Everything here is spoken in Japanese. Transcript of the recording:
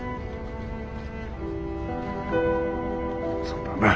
そうだな。